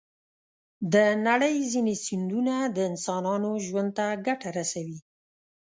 د نړۍ ځینې سیندونه د انسانانو ژوند ته ګټه رسوي.